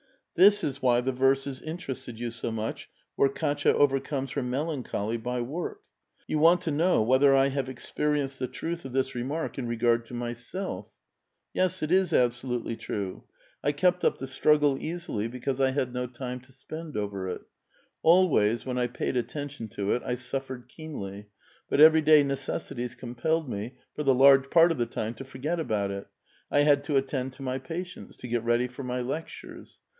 " This is why the verses interested you so much, where Katya overcomes her melancholy by work. You want to know whether I have experienced the truth of this remark, in regard to myself. Yes ; it is absolutely true. I kept up the A VITAL QUESTION. 851 Btmggle easily, because I had no time to spend over it. Al ways, when I paid attention to it, I suffered keenly ; but ever}' day necessities compelled me, for the large part of the time, to forget about it. I had to attend to my patients ; to get ready for my lectures.